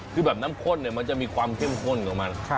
คือแบบน้ำข้นมันจะมีความเข้มข้นของมัน